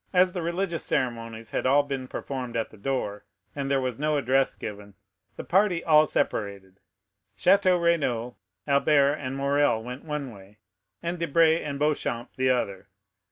As the religious ceremonies had all been performed at the door, and there was no address given, the party all separated; Château Renaud, Albert, and Morrel, went one way, and Debray and Beauchamp the other.